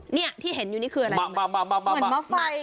อ๋อนี่ที่เห็นอยู่นี่คืออะไรเหมือนมะไฟ